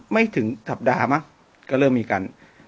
ไม่ถึงสัปดาห์มั้งก็เริ่มมีการ